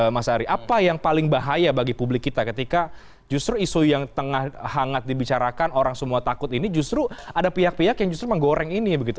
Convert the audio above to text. mas ari apa yang paling bahaya bagi publik kita ketika justru isu yang tengah hangat dibicarakan orang semua takut ini justru ada pihak pihak yang justru menggoreng ini begitu